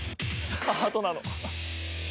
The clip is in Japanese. ハートなの？